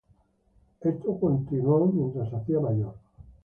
Esto continuó mientras se hacía mayor.